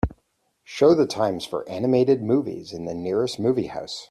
Show the times for animated movies in the nearest movie house